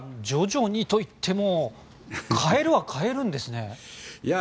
徐々にといっても変えるは変えるんですね。